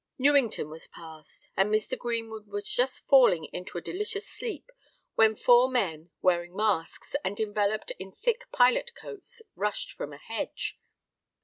Newington was passed; and Mr. Greenwood was just falling into a delicious sleep, when four men, wearing masks, and enveloped in thick pilot coats, rushed from a hedge.